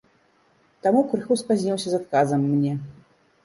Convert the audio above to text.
Таму крыху спазніўся з адказам мне.